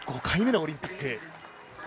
５回目のオリンピック。